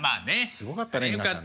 すごかったね皆さんね。